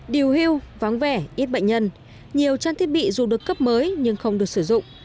điều hưu vắng vẻ ít bệnh nhân nhiều trang thiết bị dù được cấp mới nhưng không được sử dụng